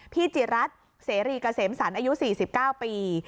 พี่จิรัตรเสรีกเกษมศรอายุ๔๙ปี